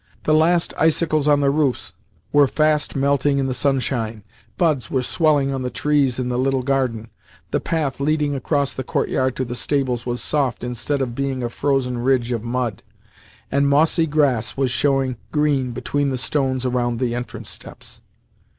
The last icicles on the roofs were fast melting in the sunshine, buds were swelling on the trees in the little garden, the path leading across the courtyard to the stables was soft instead of being a frozen ridge of mud, and mossy grass was showing green between the stones around the entrance steps.